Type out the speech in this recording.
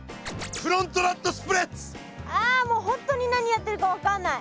ああもう本当に何やってるか分かんない。